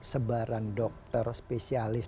sebaran dokter spesialis